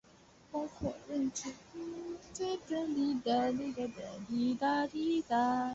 括认知治疗。